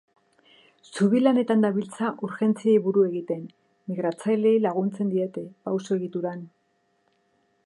Zubi lanetan dabiltza urgentziei buru egiten, migratzaileei laguntzen diete, pauso-egituran.